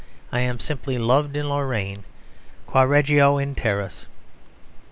I am simply loved in Lorraine. Quae reggio in terris